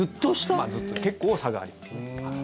結構、差がありますね。